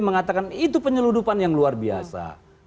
mengatakan itu penyeludupan yang luar biasa